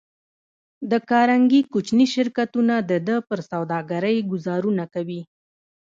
د کارنګي کوچني شرکتونه د ده پر سوداګرۍ ګوزارونه کوي